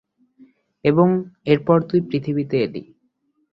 এবং এরপর তুই পৃথিবীতে এলি।